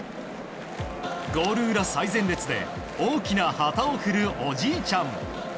ゴール裏最前列で大きな旗を振るおじいちゃん。